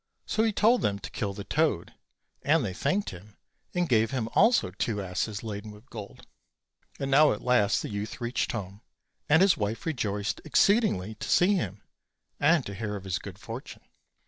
So he told them to kill the toad; and they thanked him, and gave him also two asses laden with gold. And now at last the youth reached home, and his wife rejoiced exceedingly to see him, and to hear of his good fortune.